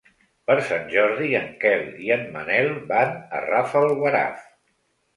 Per Sant Jordi en Quel i en Manel van a Rafelguaraf.